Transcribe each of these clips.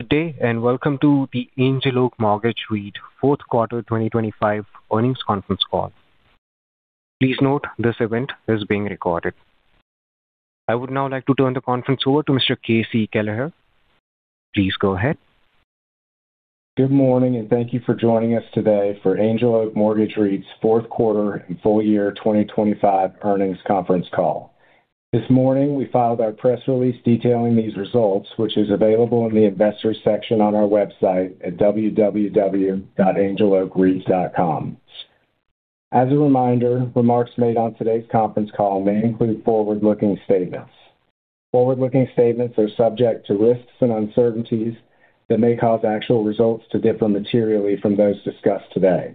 Good day, welcome to the Angel Oak Mortgage REIT Fourth Quarter 2025 Earnings Conference Call. Please note this event is being recorded. I would now like to turn the conference over to Mr. KC Kelleher Please go ahead. Good morning and thank you for joining us today for Angel Oak Mortgage REIT's fourth quarter and full year 2025 earnings conference call. This morning, we filed our press release detailing these results, which is available in the Investors section on our website at www.angeloakreit.com. As a reminder, remarks made on today's conference call may include forward-looking statements. Forward-looking statements are subject to risks and uncertainties that may cause actual results to differ materially from those discussed today.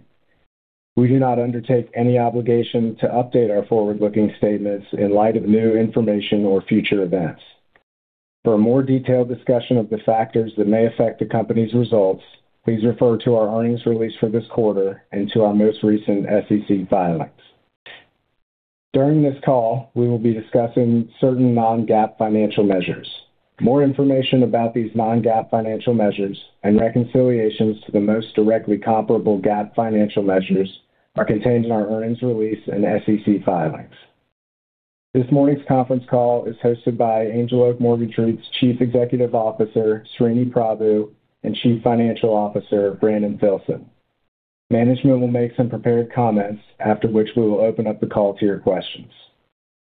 We do not undertake any obligation to update our forward-looking statements in light of new information or future events. For a more detailed discussion of the factors that may affect the company's results, please refer to our earnings release for this quarter and to our most recent SEC filings. During this call, we will be discussing certain non-GAAP financial measures. More information about these non-GAAP financial measures and reconciliations to the most directly comparable GAAP financial measures are contained in our earnings release and SEC filings. This morning's conference call is hosted by Angel Oak Mortgage REIT's Chief Executive Officer, Sreeniwas Prabhu, and Chief Financial Officer, Brandon Filson. Management will make some prepared comments, after which we will open up the call to your questions.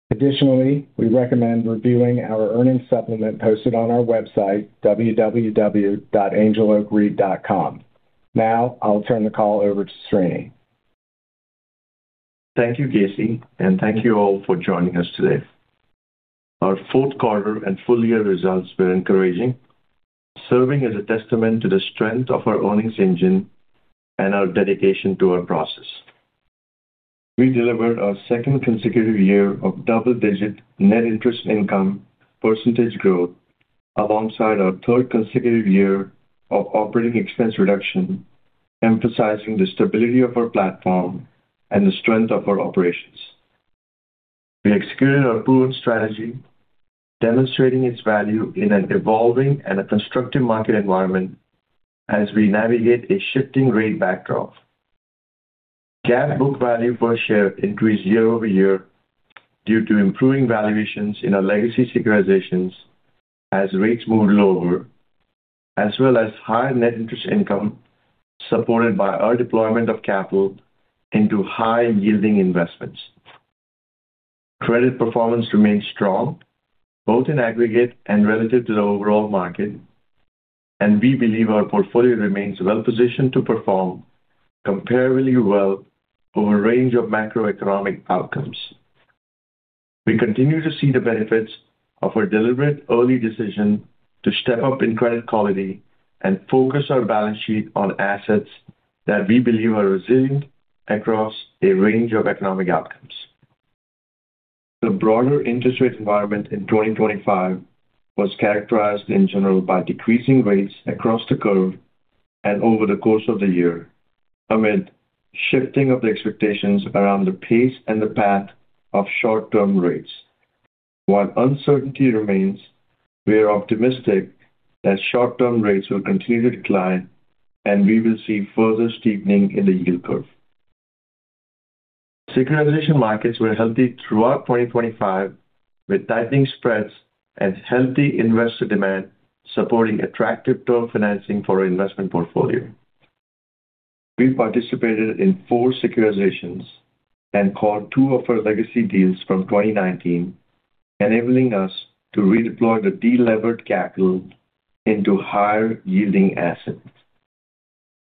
We recommend reviewing our earnings supplement posted on our website, www.angeloakreit.com. Now, I'll turn the call over to Srini. Thank you, K.C. Thank you all for joining us today. Our fourth quarter and full year results were encouraging, serving as a testament to the strength of our earnings engine and our dedication to our process. We delivered our second consecutive year of double-digit net interest income % growth, alongside our third consecutive year of operating expense reduction, emphasizing the stability of our platform and the strength of our operations. We executed our proven strategy, demonstrating its value in an evolving and a constructive market environment as we navigate a shifting rate backdrop. GAAP book value per share increased year-over-year due to improving valuations in our legacy securitizations as rates moved lower, as well as higher net interest income, supported by our deployment of capital into high-yielding investments. Credit performance remains strong, both in aggregate and relative to the overall market. We believe our portfolio remains well positioned to perform comparably well over a range of macroeconomic outcomes. We continue to see the benefits of our deliberate early decision to step up in credit quality and focus our balance sheet on assets that we believe are resilient across a range of economic outcomes. The broader interest rate environment in 2025 was characterized in general by decreasing rates across the curve and over the course of the year, amid shifting of the expectations around the pace and the path of short-term rates. While uncertainty remains, we are optimistic that short-term rates will continue to decline. We will see further steepening in the yield curve. Securitization markets were healthy throughout 2025, with tightening spreads and healthy investor demand supporting attractive term financing for our investment portfolio. We participated in 4 securitizations and called two of our legacy deals from 2019, enabling us to redeploy the delevered capital into higher-yielding assets.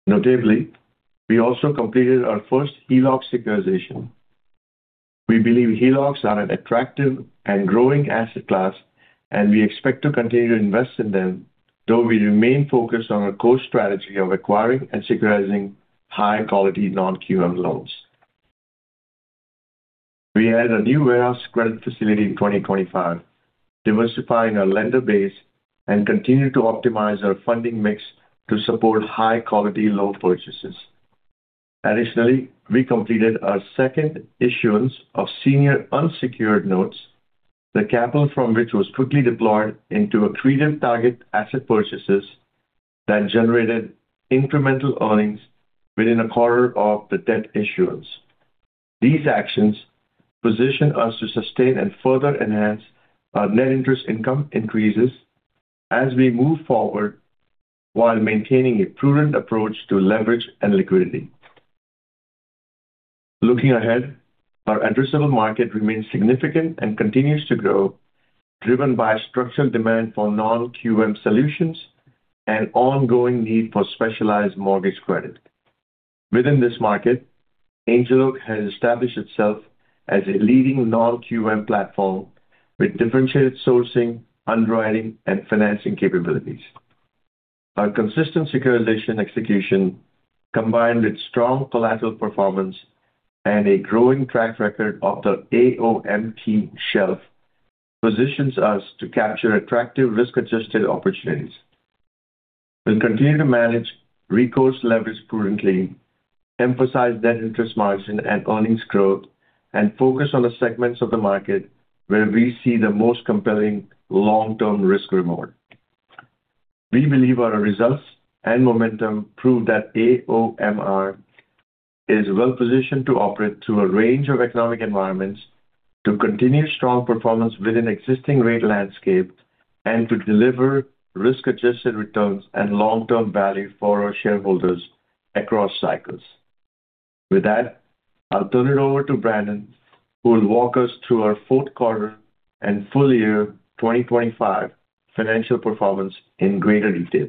Notably, we also completed our first HELOC securitization. We believe HELOCs are an attractive and growing asset class, and we expect to continue to invest in them, though we remain focused on our core strategy of acquiring and securitizing high-quality non-QM loans. We had a new warehouse credit facility in 2025, diversifying our lender base and continued to optimize our funding mix to support high-quality loan purchases. Additionally, we completed our second issuance of senior unsecured notes, the capital from which was quickly deployed into accretive target asset purchases that generated incremental earnings within a quarter of the debt issuance. These actions position us to sustain and further enhance our net interest income increases as we move forward while maintaining a prudent approach to leverage and liquidity. Looking ahead, our addressable market remains significant and continues to grow, driven by a structural demand for non-QM solutions and ongoing need for specialized mortgage credit. Within this market, Angel Oak has established itself as a leading non-QM platform with differentiated sourcing, underwriting, and financing capabilities. Our consistent securitization execution, combined with strong collateral performance and a growing track record of the AOMT shelf, positions us to capture attractive risk-adjusted opportunities. We'll continue to manage recourse leverage prudently, emphasize net interest margin and earnings growth, and focus on the segments of the market where we see the most compelling long-term risk reward. We believe our results and momentum prove that AOMR is well-positioned to operate through a range of economic environments, to continue strong performance within existing rate landscape, and to deliver risk-adjusted returns and long-term value for our shareholders across cycles. With that, I'll turn it over to Brandon, who will walk us through our fourth quarter and full year 2025 financial performance in greater detail.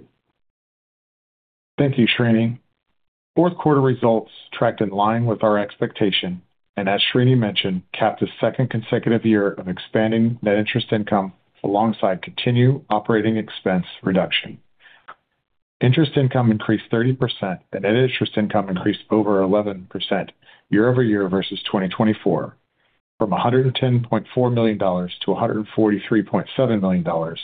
Thank you, Sreeniwas. Fourth quarter results tracked in line with our expectation, and as Sreeniwas mentioned, capped a second consecutive year of expanding net interest income alongside continued operating expense reduction. Interest income increased 30%, and net interest income increased over 11% year-over-year versus 2024, from $110.4 million to $143.7 million,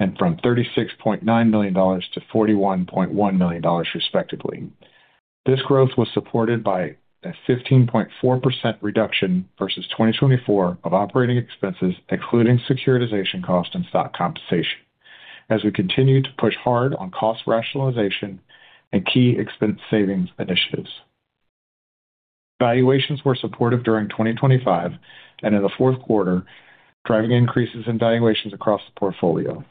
and from $36.9 million to $41.1 million, respectively. This growth was supported by a 15.4% reduction versus 2024 of operating expenses, including securitization cost and stock compensation, as we continued to push hard on cost rationalization and key expense savings initiatives. Valuations were supportive during 2025 and in the fourth quarter, driving increases in valuations across the portfolio.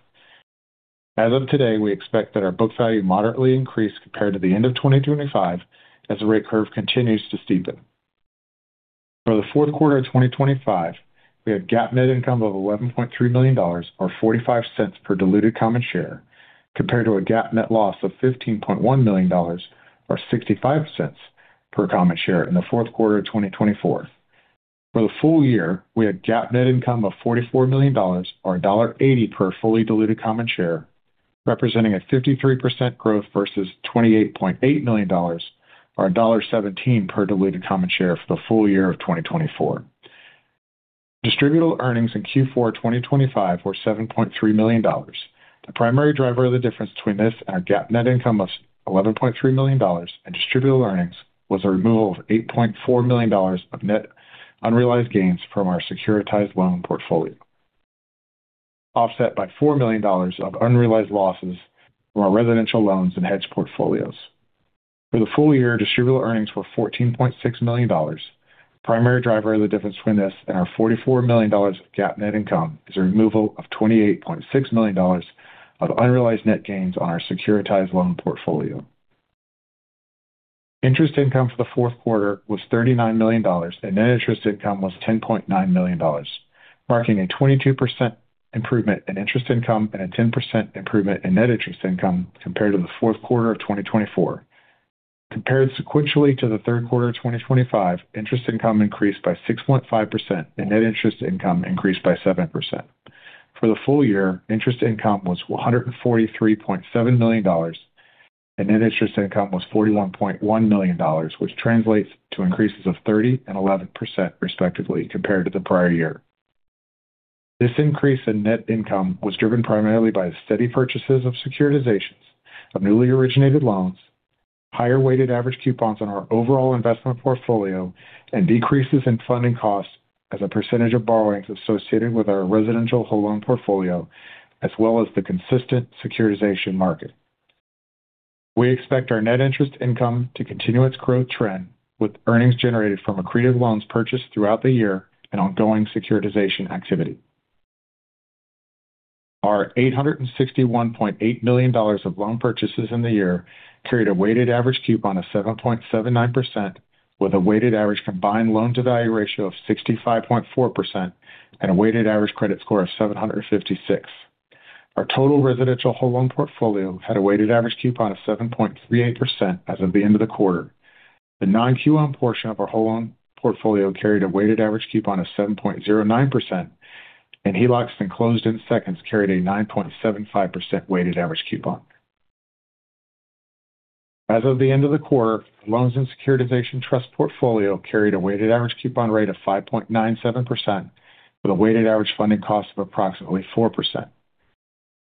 As of today, we expect that our book value moderately increased compared to the end of 2025 as the rate curve continues to steepen. For the fourth quarter of 2025, we had GAAP net income of $11.3 million, or $0.45 per diluted common share, compared to a GAAP net loss of $15.1 million, or $0.65 per common share in the fourth quarter of 2024. For the full year, we had GAAP net income of $44 million, or $1.80 per fully diluted common share, representing a 53% growth versus $28.8 million or $1.17 per diluted common share for the full year of 2024. Distributable earnings in Q4 2025 were $7.3 million. The primary driver of the difference between this and our GAAP net income of $11.3 million and distributable earnings was a removal of $8.4 million of net unrealized gains from our securitized loan portfolio, offset by $4 million of unrealized losses from our residential loans and hedge portfolios. For the full year, distributable earnings were $14.6 million. Primary driver of the difference between this and our $44 million of GAAP net income is a removal of $28.6 million of unrealized net gains on our securitized loan portfolio. Interest income for the fourth quarter was $39 million, and net interest income was $10.9 million, marking a 22% improvement in interest income and a 10% improvement in net interest income compared to the fourth quarter of 2024. Compared sequentially to the third quarter of 2025, interest income increased by 6.5%, and net interest income increased by 7%. For the full year, interest income was $143.7 million, and net interest income was $41.1 million, which translates to increases of 30% and 11%, respectively, compared to the prior year. This increase in net income was driven primarily by the steady purchases of securitizations of newly originated loans, higher weighted average coupons on our overall investment portfolio, and decreases in funding costs as a percentage of borrowings associated with our residential whole loan portfolio, as well as the consistent securitization market. We expect our net interest income to continue its growth trend, with earnings generated from accreted loans purchased throughout the year and ongoing securitization activity. Our $861.8 million of loan purchases in the year carried a weighted average coupon of 7.79%, with a weighted average combined loan-to-value ratio of 65.4% and a weighted average credit score of 756. Our total residential whole loan portfolio had a weighted average coupon of 7.38% as of the end of the quarter. The non-QM portion of our whole loan portfolio carried a weighted average coupon of 7.09%, and HELOCs and closed-end seconds carried a 9.75% weighted average coupon. As of the end of the quarter, loans and securitization trust portfolio carried a weighted average coupon rate of 5.97%, with a weighted average funding cost of approximately 4%.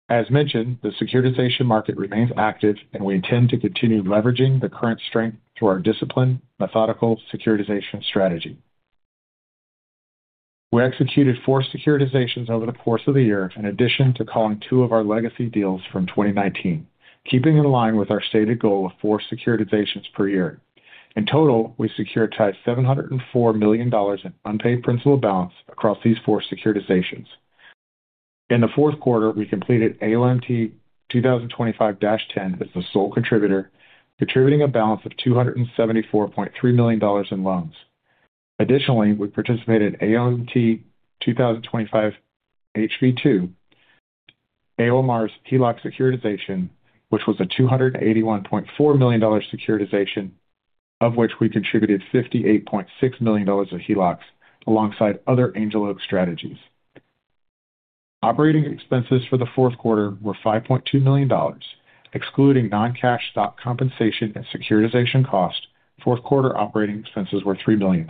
As mentioned, the securitization market remains active, and we intend to continue leveraging the current strength through our disciplined, methodical securitization strategy. We executed 4 securitizations over the course of the year, in addition to calling 2 of our legacy deals from 2019, keeping in line with our stated goal of 4 securitizations per year. In total, we securitized $704 million in unpaid principal balance across these 4 securitizations. In the fourth quarter, we completed AOMT 2025-10 as the sole contributor, contributing a balance of $274.3 million in loans. Additionally, we participated in AOMT 2025-HB2, AOMR's HELOC securitization, which was a $281.4 million securitization, of which we contributed $58.6 million of HELOCs alongside other Angel Oak strategies. Operating expenses for the fourth quarter were $5.2 million. Excluding non-cash stock compensation and securitization cost, fourth quarter operating expenses were $3 million.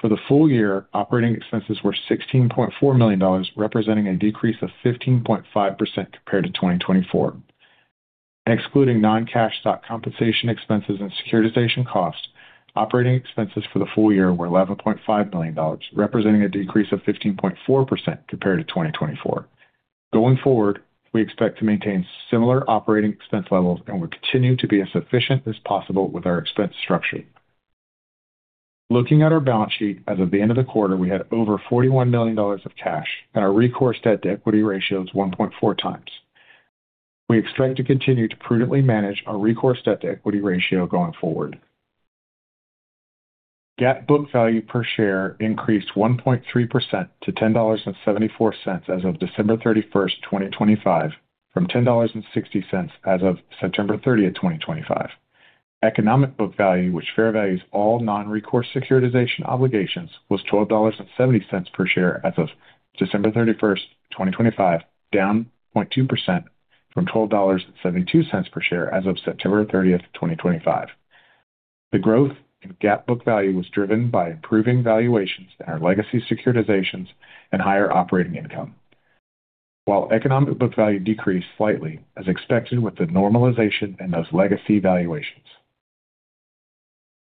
For the full year, operating expenses were $16.4 million, representing a decrease of 15.5% compared to 2024. Excluding non-cash stock compensation expenses and securitization costs, operating expenses for the full year were $11.5 million, representing a decrease of 15.4% compared to 2024. Going forward, we expect to maintain similar operating expense levels and will continue to be as efficient as possible with our expense structure. Looking at our balance sheet, as of the end of the quarter, we had over $41 million of cash, and our recourse debt to equity ratio is 1.4 times. We expect to continue to prudently manage our recourse debt to equity ratio going forward. GAAP book value per share increased 1.3% to $10.74 as of December 31, 2025, from $10.60 as of September 30, 2025. Economic book value, which fair values all non-recourse securitization obligations, was $12.70 per share as of December 31, 2025, down 0.2% from $12.72 per share as of September 30, 2025. The growth in GAAP book value was driven by improving valuations in our legacy securitizations and higher operating income, while economic book value decreased slightly, as expected, with the normalization in those legacy valuations.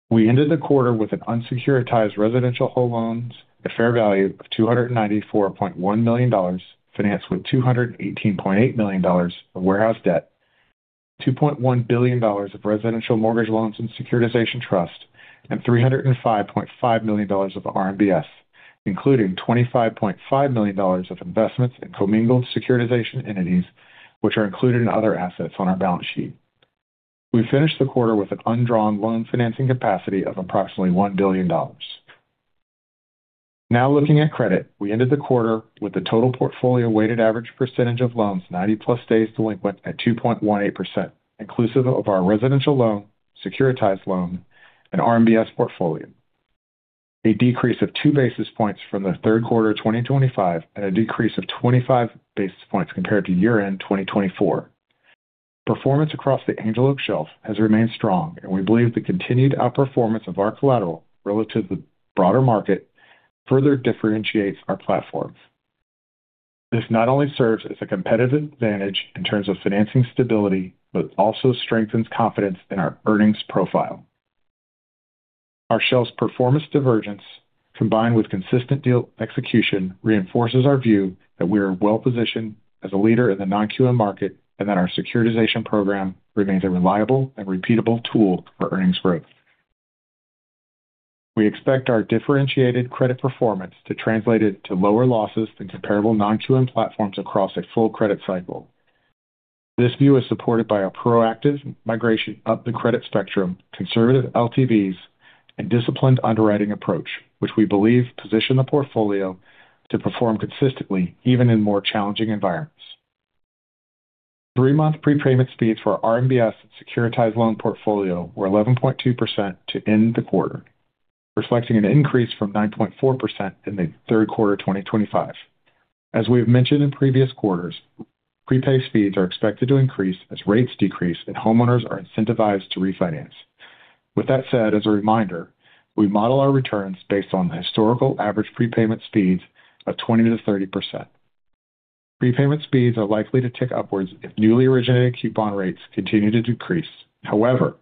We ended the quarter with an unsecuritized residential whole loans, a fair value of $294.1 million, financed with $218.8 million of warehouse debt, $2.1 billion of residential mortgage loans and securitization trust, and $305.5 million of RMBS, including $25.5 million of investments in commingled securitization entities, which are included in other assets on our balance sheet. We finished the quarter with an undrawn loan financing capacity of approximately $1 billion. Now, looking at credit, we ended the quarter with a total portfolio weighted average percentage of loans, 90-plus days delinquent at 2.18%, inclusive of our residential loan, securitized loan, and RMBS portfolio, a decrease of 2 basis points from the third quarter of 2025, and a decrease of 25 basis points compared to year-end 2024. Performance across the Angel Oak shelf has remained strong. We believe the continued outperformance of our collateral relative to broader market further differentiates our platforms. This not only serves as a competitive advantage in terms of financing stability, but also strengthens confidence in our earnings profile. Our shelf's performance divergence, combined with consistent deal execution, reinforces our view that we are well-positioned as a leader in the non-QM market and that our securitization program remains a reliable and repeatable tool for earnings growth. We expect our differentiated credit performance to translate it to lower losses than comparable non-QM platforms across a full credit cycle. This view is supported by a proactive migration up the credit spectrum, conservative LTVs, and disciplined underwriting approach, which we believe position the portfolio to perform consistently, even in more challenging environments. Three-month prepayment speeds for our RMBS securitized loan portfolio were 11.2% to end the quarter, reflecting an increase from 9.4% in the third quarter of 2025. As we have mentioned in previous quarters, prepay speeds are expected to increase as rates decrease and homeowners are incentivized to refinance. With that said, as a reminder, we model our returns based on historical average prepayment speeds of 20%-30%. Prepayment speeds are likely to tick upwards if newly originated coupon rates continue to decrease. However,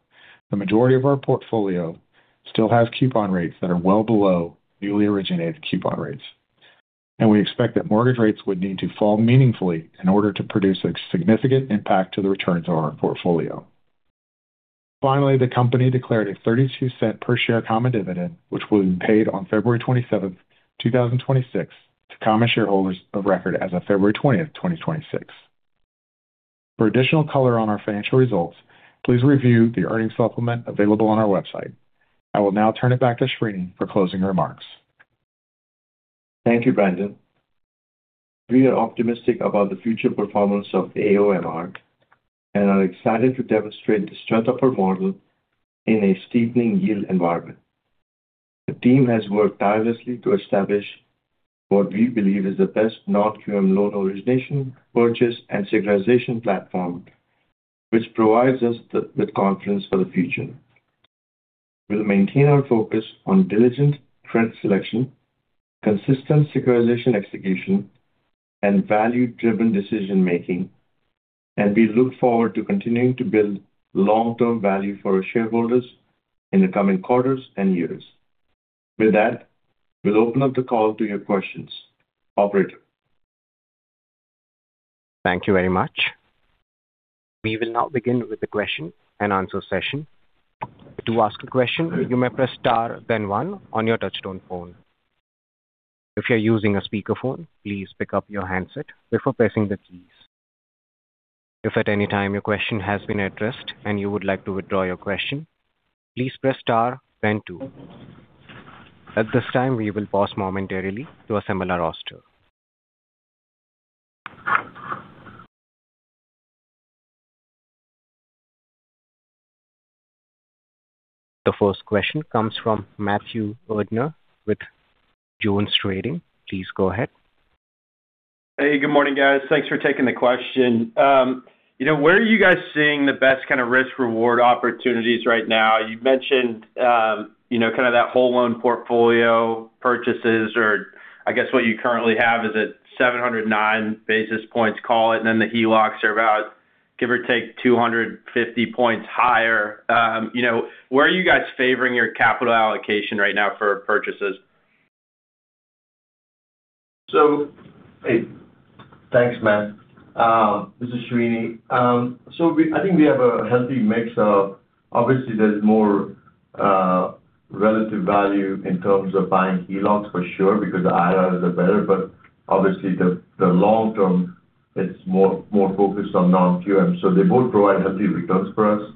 the majority of our portfolio still has coupon rates that are well below newly originated coupon rates, and we expect that mortgage rates would need to fall meaningfully in order to produce a significant impact to the returns on our portfolio. Finally, the company declared a $0.32 per share common dividend, which will be paid on February 27, 2026, to common shareholders of record as of February 20, 2026. For additional color on our financial results, please review the earnings supplement available on our website. I will now turn it back to Sreeniwas for closing remarks. Thank you, Brandon. We are optimistic about the future performance of the AOMR and are excited to demonstrate the strength of our model in a steepening yield environment. The team has worked tirelessly to establish what we believe is the best non-QM loan origination, purchase, and securitization platform, which provides us the confidence for the future. We'll maintain our focus on diligent credit selection, consistent securitization execution, and value-driven decision making, and we look forward to continuing to build long-term value for our shareholders in the coming quarters and years. With that, we'll open up the call to your questions. Operator? Thank you very much. We will now begin with the question-and-answer session. To ask a question, you may press * then 1 on your touchtone phone. If you're using a speakerphone, please pick up your handset before pressing the keys. If at any time your question has been addressed and you would like to withdraw your question, please press * then 2. At this time, we will pause momentarily to assemble our roster. The first question comes from Matthew Erdner with JonesTrading. Please go ahead. Hey, good morning, guys. Thanks for taking the question. You know, where are you guys seeing the best kind of risk-reward opportunities right now? You've mentioned, you know, kind of that whole loan portfolio purchases or I guess what you currently have is at 709 basis points call, and then the HELOCs are about, give or take, 250 points higher. You know, where are you guys favoring your capital allocation right now for purchases? Hey, thanks, Matt. This is Sreeniwas. I think we have a healthy mix of, obviously, there's more relative value in terms of buying HELOCs, for sure, because the IRRs are better, but obviously, the long term, it's more focused on non-QM. They both provide healthy returns for us,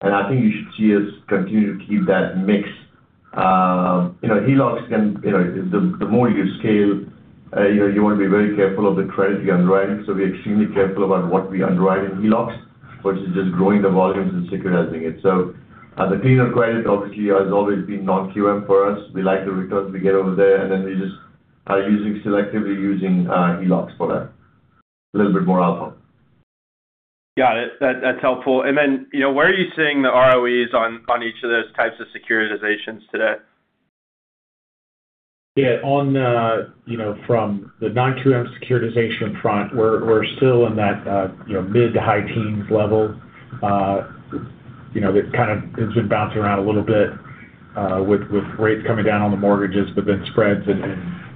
and I think you should see us continue to keep that mix. You know, HELOCs can, you know, the more you scale, you know, you want to be very careful of the credit you're underwriting. We're extremely careful about what we underwrite in HELOCs, versus just growing the volumes and securitizing it. The cleaner credit, obviously, has always been non-QM for us. We like the returns we get over there, and then we just are using, selectively using, HELOCs for that. A little bit more alpha. Got it. That's helpful. You know, where are you seeing the ROEs on each of those types of securitizations today? On the, you know, from the non-QM securitization front, we're still in that, you know, mid- to high-teens level. You know, it kind of, it's been bouncing around a little bit, with rates coming down on the mortgages, but then spreads and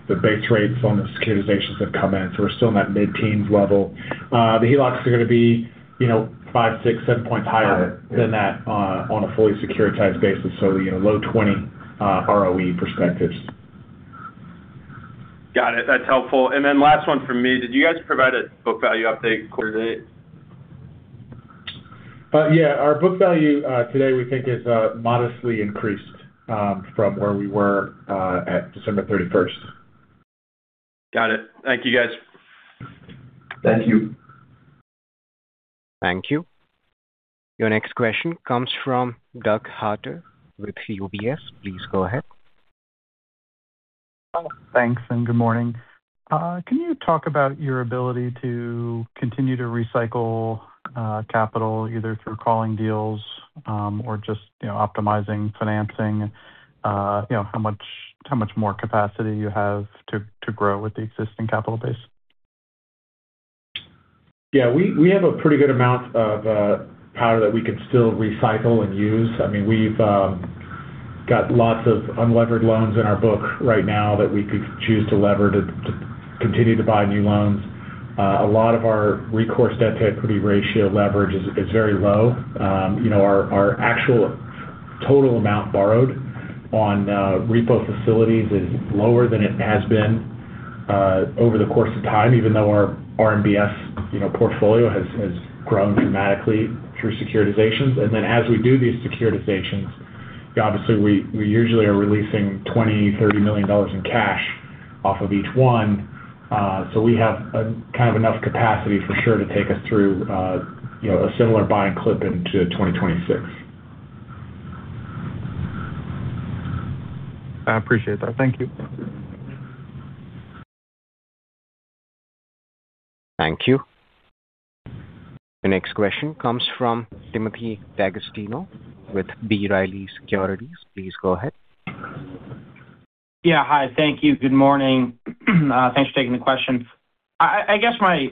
the base rates on the securitizations have come in. We're still in that mid-teen level. The HELOCs are going to be, you know, 5, 6, 7 points higher than that, on a fully securitized basis. You know, low 20, ROE perspectives. Got it. That's helpful. Last one from me: Did you guys provide a book value update quarter to date? Yeah. Our book value today, we think, is modestly increased from where we were at December 31. Got it. Thank you, guys. Thank you. Thank you. Your next question comes from Doug Harter with UBS. Please go ahead. Thanks. Good morning. Can you talk about your ability to continue to recycle, capital, either through calling deals, or just, you know, optimizing financing? You know, how much more capacity you have to grow with the existing capital base? We have a pretty good amount of power that we can still recycle and use. I mean, we've got lots of unlevered loans in our book right now that we could choose to lever to continue to buy new loans. A lot of our recourse debt to equity ratio leverage is very low. You know, our actual total amount borrowed on repo facilities is lower than it has been over the course of time, even though our RMBS, you know, portfolio has grown dramatically through securitizations. As we do these securitizations, obviously, we usually are releasing $20 million-$30 million in cash off of each one. We have a kind of enough capacity for sure to take us through, you know, a similar buying clip into 2026. I appreciate that. Thank you. Thank you. The next question comes from Timothy D'Agostino with B. Riley Securities. Please go ahead. Yeah, hi. Thank you. Good morning. Thanks for taking the question. I guess my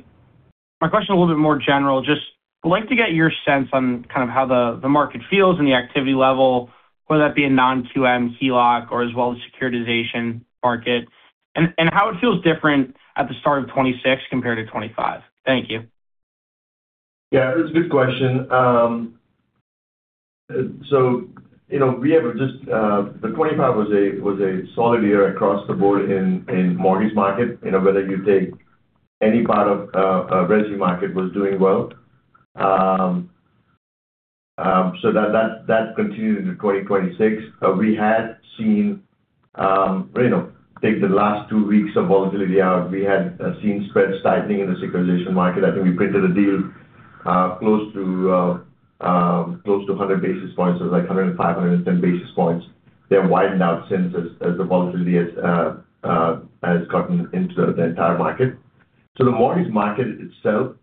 question is a little bit more general. Just like to get your sense on kind of how the market feels and the activity level, whether that be in non-QM, HELOC, or as well as securitization market, and how it feels different at the start of 2026 compared to 2025. Thank you. Yeah, that's a good question. You know, we have just, the 25 was a solid year across the board in mortgage market. You know whether you take any part of resi market was doing well. That continued into 2026. We had seen, you know, take the last two weeks of volatility out, we had seen spreads tightening in the securitization market. I think we printed a deal close to 100 basis points. It was like 105, 110 basis points. They have widened out since as the volatility has gotten into the entire market. The mortgage market itself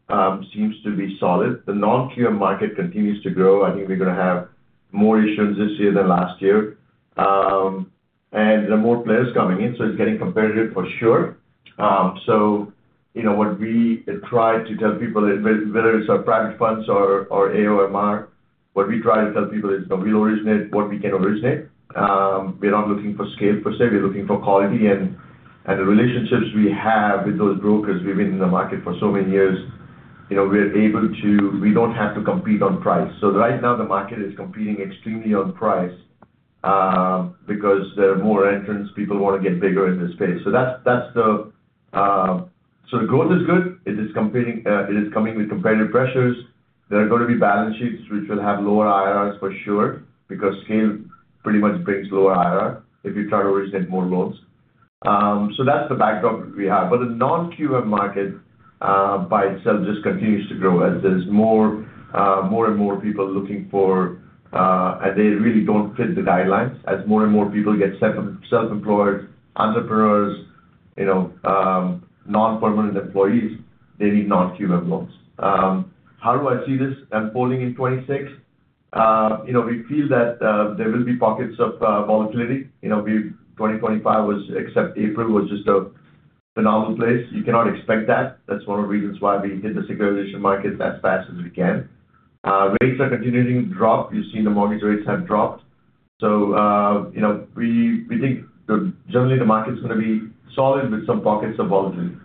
seems to be solid. The non-QM market continues to grow. I think we're going to have more issuance this year than last year. There are more players coming in, so it's getting competitive for sure. You know, what we try to tell people is, whether it's our private funds or AOMR, what we try to tell people is we originate what we can originate. We're not looking for scale per se, we're looking for quality and the relationships we have with those brokers. We've been in the market for so many years, you know, we're able to. We don't have to compete on price. Right now, the market is competing extremely on price, because there are more entrants. People want to get bigger in this space. That's, that's the, so the growth is good. It is competing, it is coming with competitive pressures. There are going to be balance sheets which will have lower IRRs for sure, because scale pretty much brings lower IRR if you try to originate more loans. That's the backdrop we have. The non-QM market by itself just continues to grow as there's more and more people looking for, and they really don't fit the guidelines. As more and more people get self-employed, entrepreneurs, you know, non-permanent employees, they need non-QM loans. How do I see this unfolding in 2026? You know, we feel that there will be pockets of volatility. You know, 2025 was, except April, was just a phenomenal place. You cannot expect that. That's one of the reasons why we hit the securitization market as fast as we can. Rates are continuing to drop. You've seen the mortgage rates have dropped. You know, we think that generally the market's gonna be solid with some pockets of volatility.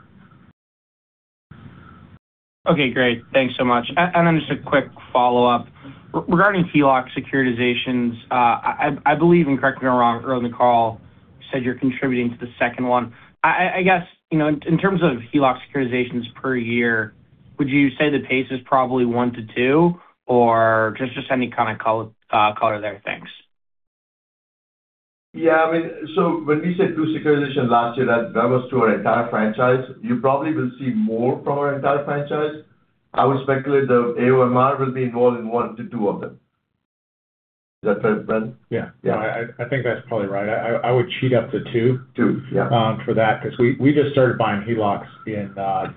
Okay, great. Thanks so much. Then just a quick follow-up. Regarding HELOC securitizations, I believe, and correct me if I'm wrong, Earl in the call, said you're contributing to the second one. I guess, you know, in terms of HELOC securitizations per year, would you say the pace is probably one to two, or just any kind of color there? Thanks. Yeah, I mean, when we said 2 securitization last year, that was to our entire franchise. You probably will see more from our entire franchise. I would speculate the AOMR will be involved in 1 to 2 of them. Is that fair, Ben? Yeah. Yeah. I think that's probably right. I would cheat up to. Two, yeah.... for that, 'cause we just started buying HELOCs in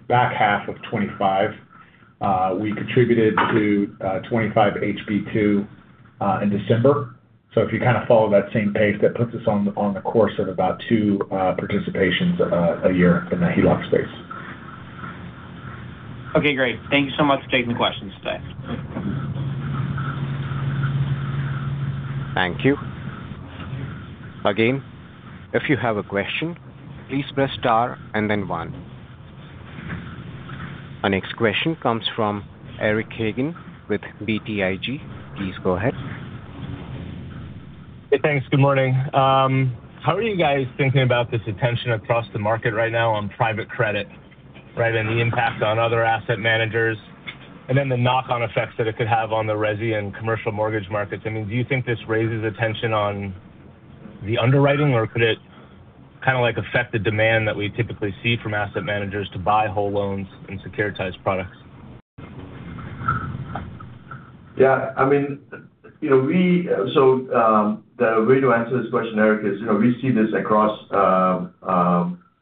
back half of 2025. We contributed to 2025-HB2 in December. If you kind of follow that same pace, that puts us on the course of about two participations a year in the HELOC space. Okay, great. Thank you so much for taking the questions today. Thank you. Again, if you have a question, please press * and then 1. Our next question comes from Eric Hagen with BTIG. Please go ahead. Hey, thanks. Good morning. How are you guys thinking about this attention across the market right now on private credit, right, the impact on other asset managers, and then the knock-on effects that it could have on the resi and commercial mortgage markets? I mean, do you think this raises attention on the underwriting, or could it kind of, like, affect the demand that we typically see from asset managers to buy whole loans and securitized products? Yeah, I mean, you know, we so, the way to answer this question, Eric, is, you know, we see this across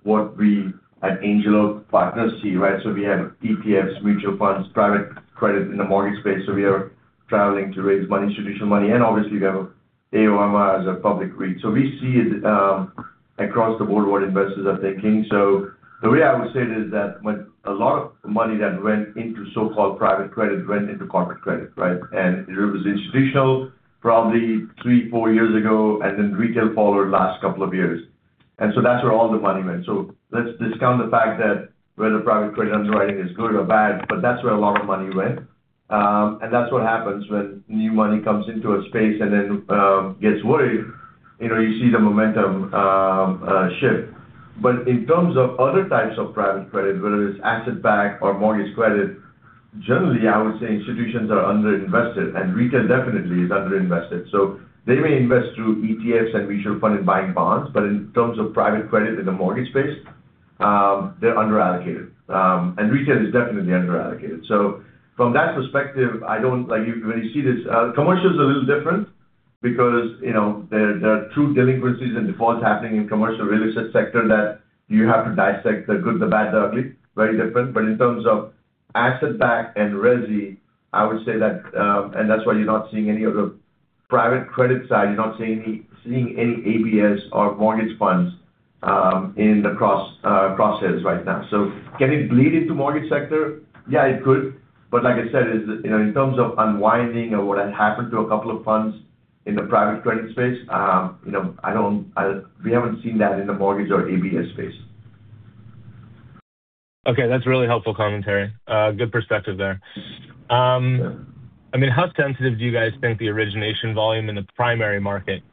what we at Angel Oak Companies see, right? We have ETFs, mutual funds, private credit in the mortgage space. We are traveling to raise money, traditional money, and obviously we have AOMR as a public REIT. We see it across the board, what investors are thinking. The way I would say it is that when a lot of money that went into so-called private credit went into corporate credit, right? It was institutional probably three, four years ago, and then retail followed last couple of years. That's where all the money went. Let's discount the fact that whether private credit underwriting is good or bad, but that's where a lot of money went. That's what happens when new money comes into a space and then gets worried. You know, you see the momentum shift. In terms of other types of private credit, whether it's asset-backed or mortgage credit, generally, I would say institutions are underinvested, and retail definitely is underinvested. They may invest through ETFs and mutual funds buying bonds, but in terms of private credit in the mortgage space, they're underallocated. Retail is definitely underallocated. From that perspective, I don't like you when you see this, commercial is a little different because, you know, there are true delinquencies and defaults happening in commercial real estate sector that you have to dissect the good, the bad, the ugly. Very different. In terms of asset-backed and resi, I would say that. That's why you're not seeing any of the private credit side. You're not seeing any ABS or mortgage funds in the crosshairs right now. Can it bleed into mortgage sector? Yeah, it could. Like I said, is, you know, in terms of unwinding or what has happened to a couple of funds in the private credit space, you know, I don't, we haven't seen that in the mortgage or ABS space. Okay, that's really helpful commentary. Good perspective there. I mean, how sensitive do you guys think the origination volume in the primary market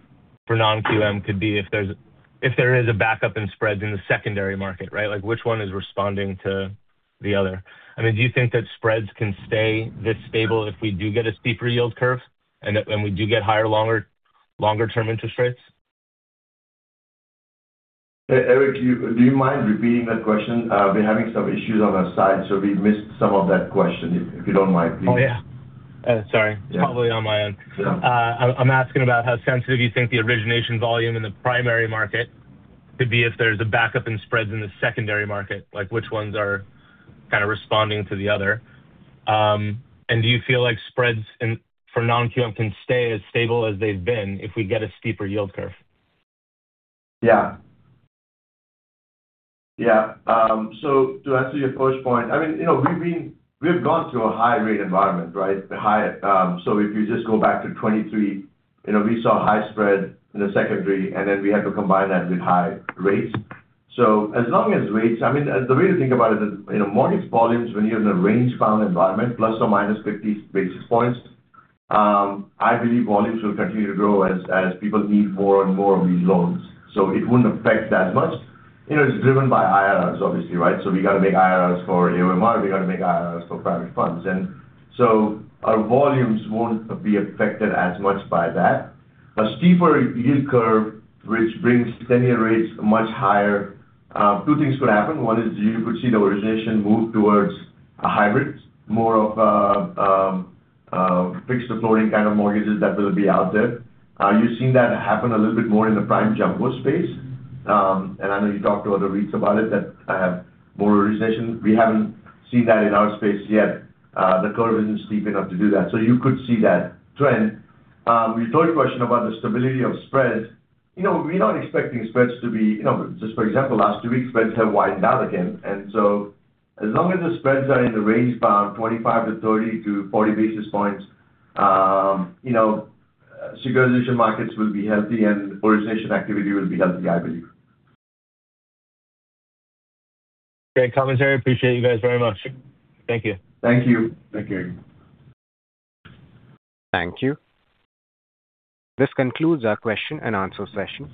for non-QM could be if there is a backup in spreads in the secondary market, right? Like, which one is responding to the other? I mean, do you think that spreads can stay this stable if we do get a steeper yield curve and if we do get higher, longer-term interest rates? Eric, do you mind repeating that question? We're having some issues on our side. We missed some of that question. If you don't mind, please. Oh, yeah. Sorry, it's probably on my end. Yeah. I'm asking about how sensitive you think the origination volume in the primary market could be if there's a backup in spreads in the secondary market, like which ones are kind of responding to the other. Do you feel like spreads in, for non-QM can stay as stable as they've been if we get a steeper yield curve? Yeah. Yeah. To answer your first point, I mean, you know, we've gone through a high-rate environment, right? The high, if you just go back to 2023, you know, we saw high spread in the secondary, we had to combine that with high rates. As long as rates, I mean, the way to think about it is, you know, mortgage volumes, when you're in a range-bound environment, plus or minus 50 basis points, I believe volumes will continue to grow as people need more and more of these loans. It wouldn't affect that much. You know, it's driven by IRRs, obviously, right? We got to make IRRs for AOMR, we got to make IRRs for private funds. Our volumes won't be affected as much by that. A steeper yield curve, which brings 10-year rates much higher, two things could happen. One is you could see the origination move towards a hybrid, more of a, fixed to floating kind of mortgages that will be out there. You've seen that happen a little bit more in the prime jumbo space. I know you talked to other REITs about it, that, more origination. We haven't seen that in our space yet. The curve isn't steep enough to do that. You could see that trend. Your third question about the stability of spreads, you know, we're not expecting spreads. You know, just for example, last two weeks, spreads have widened out again. As long as the spreads are in the range bound, 25 to 30 to 40 basis points, you know, securitization markets will be healthy and origination activity will be healthy, I believe. Great commentary. Appreciate you guys very much. Thank you. Thank you. Thank you. Thank you. This concludes our question and answer session.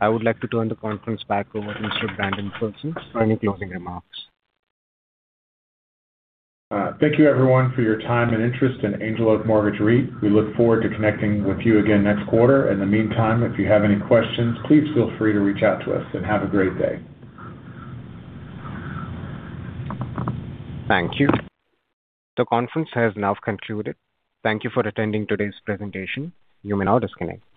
I would like to turn the conference back over to Mr. Brandon Filson for any closing remarks. Thank you, everyone, for your time and interest in Angel Oak Mortgage REIT. We look forward to connecting with you again next quarter. In the meantime, if you have any questions, please feel free to reach out to us, and have a great day. Thank you. The conference has now concluded. Thank you for attending today's presentation. You may now disconnect.